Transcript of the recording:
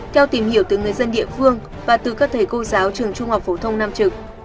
theo tìm hiểu từ người dân địa phương và từ các thầy cô giáo trường trung học phổ thông nam trực